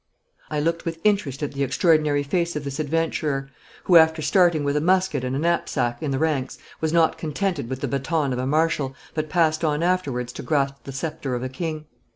I looked with interest at the extraordinary face of this adventurer, who, after starting with a musket and a knapsack in the ranks, was not contented with the baton of a marshal, but passed on afterwards to grasp the sceptre of a king.